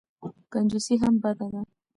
کنجوسي هم بده ده.